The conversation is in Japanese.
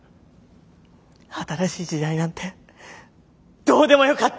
新しい時代なんてどうでもよかった！